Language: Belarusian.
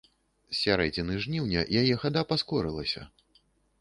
З сярэдзіны жніўня яе хада паскорылася.